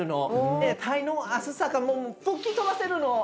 でタイの暑さがもう吹き飛ばせるの。